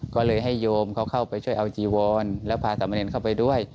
ก็เลยให้โยมเขาเข้าไปช่วยเอาจีวอนแล้วพาสามเณรเข้าไปด้วย